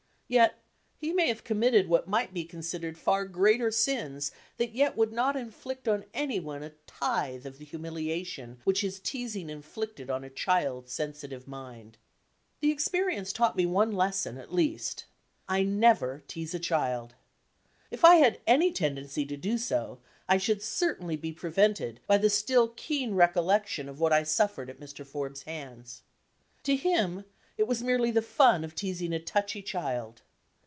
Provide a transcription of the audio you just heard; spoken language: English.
Yet he may have committed what might be considered far greater sins that yet would not inflia on any one a tithe of the humiliation which his teasing inflicted on a child's sensi tive mind. That experience taught me one lesson, at least. I never Mase a child. If I had any tendency to do so, I should certainly be prevented by the still keen recollection of what I suffered at Mr. Forbes' hands. To him, it was merely the "fun" of teasing a "touchy" child.